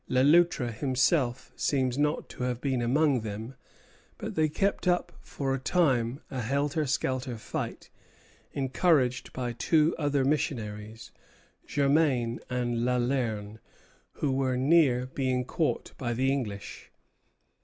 Le Loutre himself seems not to have been among them; but they kept up for a time a helter skelter fight, encouraged by two other missionaries, Germain and Lalerne, who were near being caught by the English.